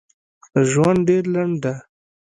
ژوند ډېر لنډ ده